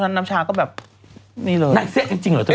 นั้นเสร็จจริงหรอตัวเอง